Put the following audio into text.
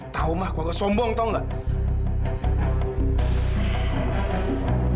tau mah gue gak sombong tau gak